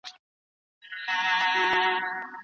هر ليکوال حق لري خپلې ژبې سره مینه وکړي.